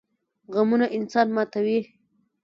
غمونه انسان ماتوي